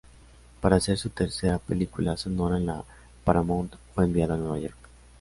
Para hacer su tercera película sonora en la Paramount fue enviada a Nueva York.